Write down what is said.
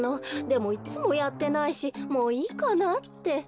でもいっつもやってないしもういいかなって。